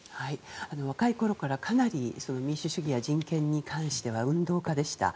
若いころから、かなり民主主義や人権に関しては運動家でした。